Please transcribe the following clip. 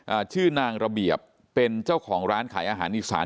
อ่าชื่อนางระเบียบเป็นเจ้าของร้านขายอาหารอีสาน